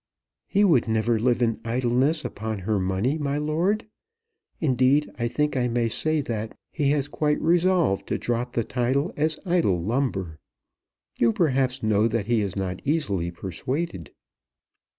"He would never live in idleness upon her money, my lord. Indeed I think I may say that he has quite resolved to drop the title as idle lumber. You perhaps know that he is not easily persuaded."